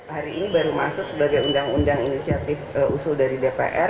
hari ini baru masuk sebagai undang undang inisiatif usul dari dpr